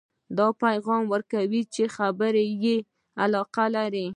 دا پیغام ورکوئ چې خبرو کې یې علاقه لرئ